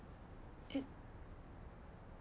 えっ？